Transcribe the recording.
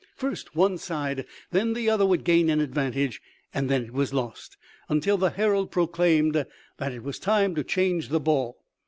First one side, then the other would gain an advantage, and then it was lost, until the herald proclaimed that it was time to change the ball.